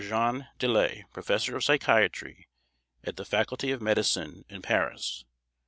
JEAN DELAY, Professor of Psychiatry at the Faculty of Medicine in Paris.